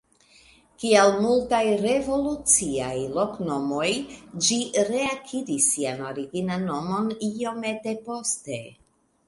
Kiel multaj revoluciaj loknomoj, ĝi reakiris sian originan nomon iomete poste.